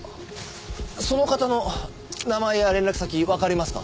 その方の名前や連絡先わかりますか？